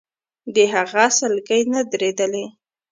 د هغه سلګۍ نه درېدلې.